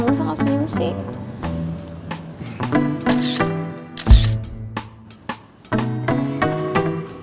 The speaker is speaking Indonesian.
masa gak senyum sih